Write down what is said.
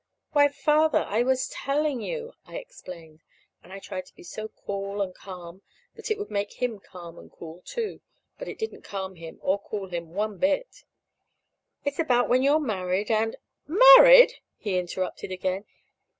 "Why, Father, I was telling you," I explained. And I tried to be so cool and calm that it would make him calm and cool, too. (But it didn't calm him or cool him one bit.) "It's about when you're married, and " "Married!" he interrupted again.